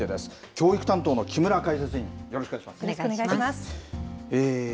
教育担当の木村解説委員、よろしお願いいたします。